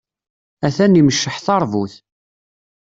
Atan imecceḥ tarbut.